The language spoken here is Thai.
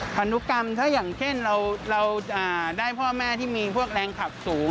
พันธุกรรมถ้าอย่างเช่นเราได้พ่อแม่ที่มีพวกแรงขับสูง